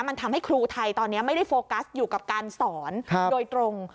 มันทำให้ครูไทยตอนนี้ไม่ได้โฟกัสอยู่กับการสอนโดยตรง